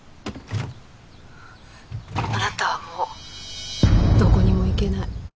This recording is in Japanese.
あなたはもうどこにも行けない。